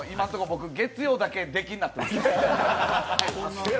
僕月曜日だけ出禁になってます。